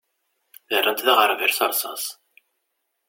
Rran-t d aɣerbal s rrsas.